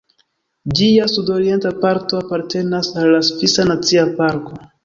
Ĝia sudorienta parto apartenas al la Svisa Nacia Parko.